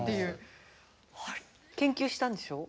研究したんでしょ？